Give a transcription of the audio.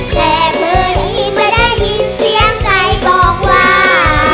แต่มือนี้จะได้ยินเสียงไก่บอกว่า